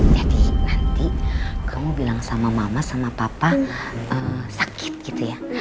jadi nanti kamu bilang sama mama sama papa sakit gitu ya